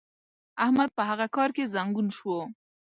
احمد په هغه کار کې زنګون شو.